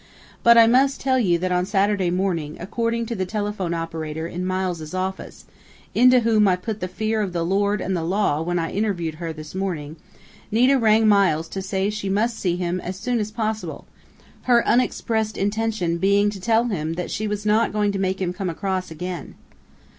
But I must tell you that on Saturday morning, according to the telephone operator in Miles' office, into whom I put the fear of the Lord and the law when I interviewed her this morning, Nita rang Miles to say she must see him as soon as possible, her unexpressed intention being to tell him that she was not going to make him come across again.